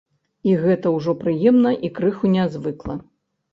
І гэта ўжо прыемна і крыху нязвыкла.